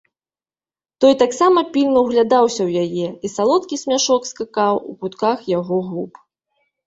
Той таксама пільна ўглядаўся ў яе, і салодкі смяшок скакаў у кутках яго губ.